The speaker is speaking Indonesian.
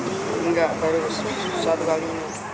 enggak baru satu kali